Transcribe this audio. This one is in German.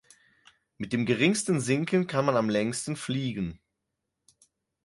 Mit dem geringsten Sinken kann man am längsten fliegen.